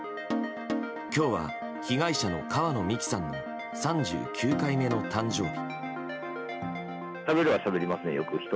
今日は被害者の川野美樹さんの３９回目の誕生日。